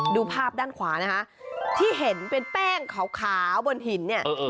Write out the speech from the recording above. ดูภาพด้านขวานะคะที่เห็นเป็นแป้งขาวบนหินเนี่ย